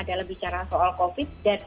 dalam bicara soal covid dan